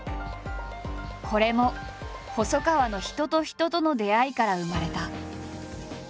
これも細川の「人と人との出会い」から生まれた。